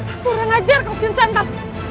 aku akan ajar kau kin santal